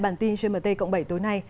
bản tin gmt cộng bảy tối nay